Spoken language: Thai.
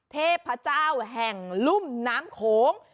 เทพเจ้าแห่งลุ่มน้ำโขง